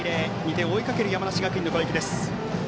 ２点を追いかける山梨学院の攻撃。